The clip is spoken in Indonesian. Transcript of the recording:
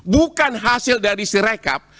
bukan hasil dari si rekap